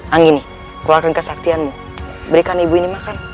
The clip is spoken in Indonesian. angini keluarkan kesaktianmu berikan ibu ini makan